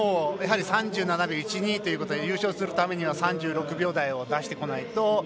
３７秒１２というのは優勝するためには３６秒台を出してこないと。